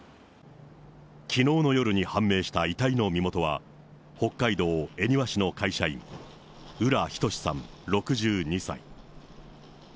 きのうの夜に判明した遺体の身元は、北海道恵庭市の会社員、浦仁志さん６２歳。